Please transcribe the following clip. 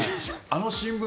あの新聞